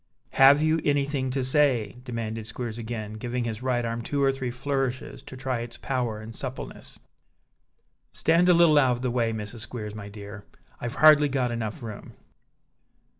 "Have you anything to say?" demanded Squeers again, giving his right arm two or three flourishes to try its power and suppleness. "Stand a little out of the way, Mrs. Squeers, my dear; I've hardly got enough room."